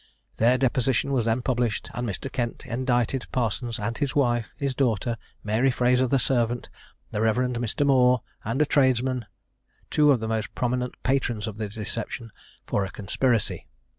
Their deposition was then published; and Mr. Kent indicted Parsons and his wife, his daughter, Mary Frazer the servant, the Rev. Mr. Moor, and a tradesman, two of the most prominent patrons of the deception, for a conspiracy.